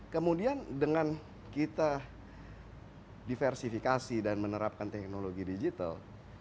kemudian dengan kita diversifikasi dan menerapkan teknologi digital